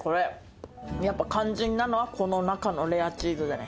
やっぱ肝心なのはこの中のレアチーズだね。